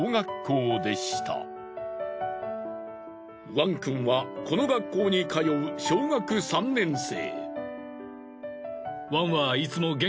ワンくんはこの学校に通う小学３年生。